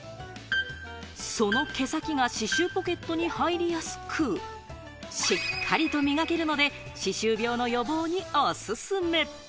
その毛先が歯周ポケットに入りやすく、しっかりと磨けるので歯周病の予防におすすめ。